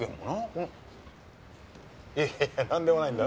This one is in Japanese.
いやいやいやなんでもないんだ。